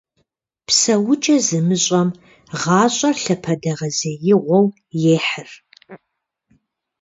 ПсэукӀэ зымыщӀэм гъащӀэр лъапэдэгъэзеигъуэу ехьыр.